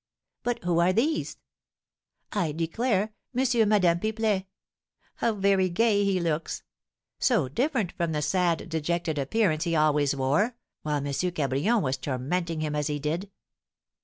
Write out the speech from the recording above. But who are these? I declare, M. and Madame Pipelet! How very gay he looks; so different from the sad, dejected appearance he always wore, while M. Cabrion was tormenting him as he did!"